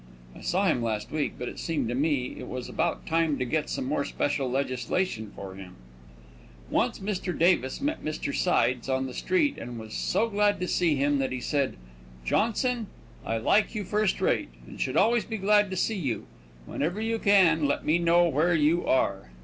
I saw him last week, but it seemed to me it was about time to get some more special legislation for him. Once Mr. Davis met Mr. Sides on the street and was so glad to see him that he said: "Johnson, I like you first rate, and should always be glad to see you. Whenever you can, let me know where you are."